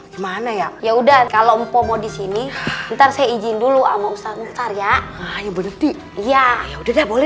gimana ya yaudah kalau mpomo disini ntar saya ijin dulu ama ustaz muhtar ya ya udah boleh